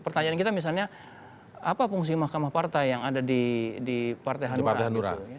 pertanyaan kita misalnya apa fungsi mahkamah partai yang ada di partai hanura